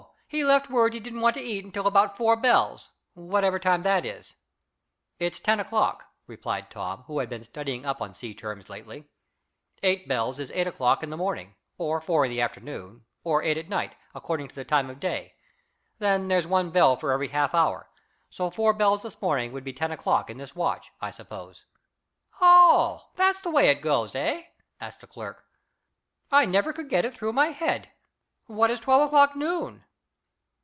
He left word he didn't want to eat until about four bells, whatever time that is." "It's ten o'clock," replied Tom, who had been studying up on sea terms lately. "Eight bells is eight o'clock in the morning, or four in the afternoon or eight at night, according to the time of day. Then there's one bell for every half hour, so four bells this morning would be ten o'clock in this watch, I suppose." "Oh, that's the way it goes, eh?" asked the clerk. "I never could get it through my head. What is twelve o'clock noon?"